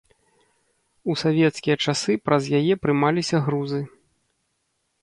У савецкія часы праз яе прымаліся грузы.